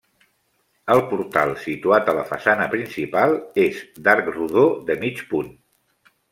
El portal, situat a la façana principal, és d'arc rodó de mig punt.